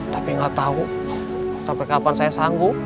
tapi nggak tahu sampai kapan saya sanggup